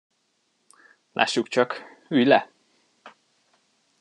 Lássuk csak, ülj le!